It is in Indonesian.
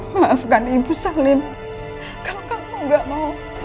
maafkan ibu salim kalau kamu nggak mau